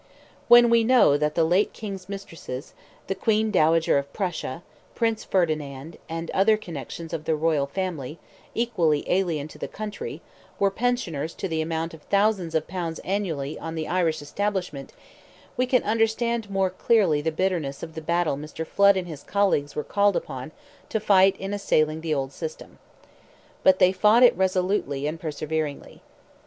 When we know that the late King's mistresses, the Queen Dowager of Prussia, Prince Ferdinand, and other connections of the royal family, equally alien to the country, were pensioners to the amount of thousands of pounds annually on the Irish establishment, we can understand more clearly the bitterness of the battle Mr. Flood and his colleagues were called upon to fight in assailing the old system. But they fought it resolutely and perseveringly.